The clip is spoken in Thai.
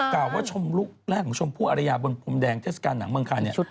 กล่าวว่าชมลูกแรกของชมพู่อริยาบนภูมิแดงเทศกาลหนังเมืองคลาน